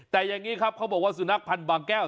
แต่อย่างนี้ครับเขาบอกว่าสุนัขพันธ์บางแก้ว